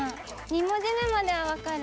２文字目まではわかる。